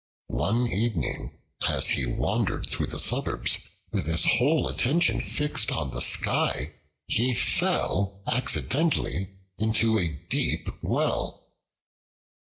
One evening, as he wandered through the suburbs with his whole attention fixed on the sky, he fell accidentally into a deep well.